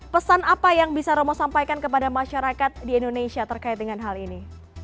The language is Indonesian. pesan apa yang bisa romo sampaikan kepada masyarakat di indonesia terkait dengan hal ini